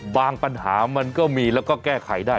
ปัญหามันก็มีแล้วก็แก้ไขได้